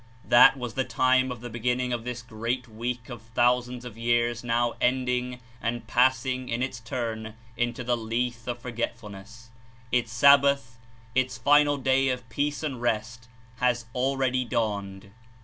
That was the time of the beginning of this great week of thousands of years now ending and passing in its turn into the Lethe of forgetfulness. Its Sabbath, its final day of peace and rest, has already dawned.